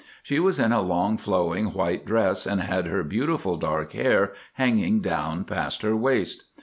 She was in a long, flowing white dress, and had her beautiful dark hair hanging down past her waist.